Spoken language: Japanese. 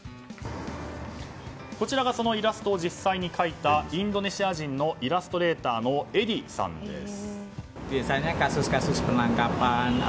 こちらがそのイラストを実際に描いたインドネシア人のイラストレーターのエディさんです。